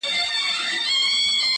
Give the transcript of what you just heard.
نغرى پر درو پښو درېږي.